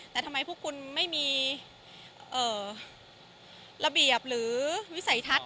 แต่ทำไมพวกคุณไม่มีระเบียบหรือวิสัยทัศน